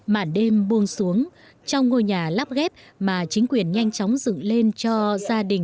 màn đêm buông xuống trong ngôi nhà lắp ghép mà chính quyền nhanh chóng dựng lên cho gia đình